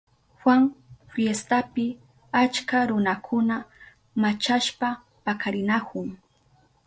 Juan fiestapi achka runakuna machashpa pakarinahun.